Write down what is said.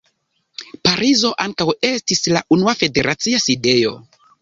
Parizo ankaŭ estis la unua federacia sidejo.